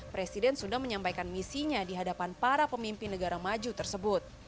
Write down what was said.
presiden sudah menyampaikan misinya di hadapan para pemimpin negara maju tersebut